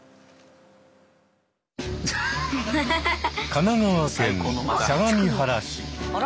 神奈川県相模原市。